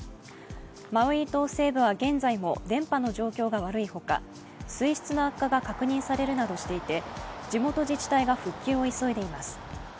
マウイ島西部は現在も電波の状況が悪いほか、水質の悪化が確認されるなどしていて地元自治体が復旧を急いでいます。